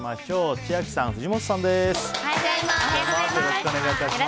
千秋さん、藤本さんです。